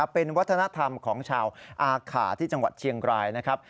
เป็นวัฒนธรรมของชาวอาขาที่จังหวัดเชียงรายนะครับ